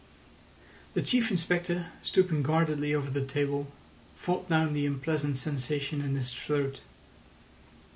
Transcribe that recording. The Chief Inspector, stooping guardedly over the table, fought down the unpleasant sensation in his throat.